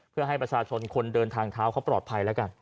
เพื่อให้ประชาชนคนเดินทางเท้าเขาปลอดภัยแล้วกัน